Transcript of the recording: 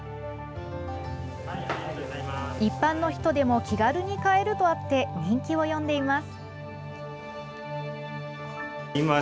一般の人でも気軽に買えるとあって人気を呼んでいます。